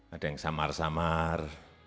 ada yang samar samar